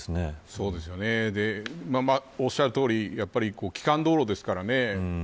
そうですね、おっしゃるとおり基幹道路ですからね。